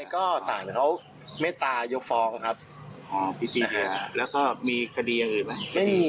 ก็ศาลเขาเมตายกฟ้องครับแล้วก็มีคดีอื่น